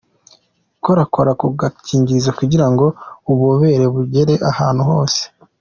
Gukorakora ku gakingirizo kugira ngo ububobere bugere ahantu hose.